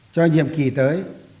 cho nhiệm kỳ tới